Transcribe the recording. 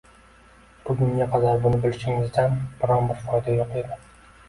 — Bugunga qadar buni bilishingizdan biron-bir foyda yo'q edi.